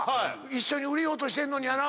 一緒に売れようとしてんのにやな。